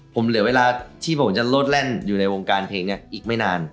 ผมเหลือเวลาที่ผมจะโลดแล่นอยู่ในวงการเพลงเนี่ยอีกไม่นาน